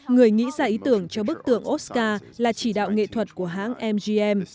người nghĩ ra ý tưởng cho bức tượng oscar là chỉ đạo nghệ thuật của hãng mg